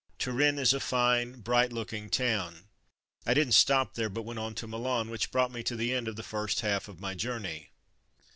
Turin is a fine, bright look ing town. I didn't stop there, but went on to Milan, which brought me to the end of the first half of my journey.